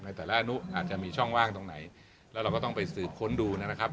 แต่ละอนุอาจจะมีช่องว่างตรงไหนแล้วเราก็ต้องไปสืบค้นดูนะครับ